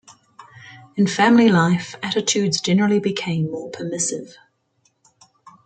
In family life, attitudes generally became more permissive.